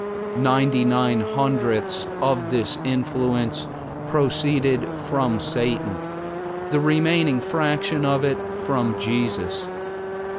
Ninety nine hundredths of this influence proceeded from Satan, the remaining fraction of it from Jesus.